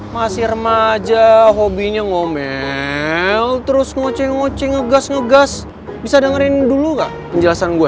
masih remaja hobinya ngomel terus ngoceng ngoceng ngegas ngegas bisa dengerin dulu gak penjelasan gue